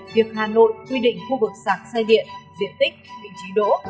việc hà nội quy định khu vực xạc xe điện diện tích định trí đỗ